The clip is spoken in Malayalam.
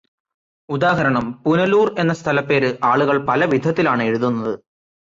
ഉദാഹരണം പുനലൂർ എന്ന സ്ഥലപ്പേര് ആളുകൾ പലവിധത്തിലാണ് എഴുതുന്നത്.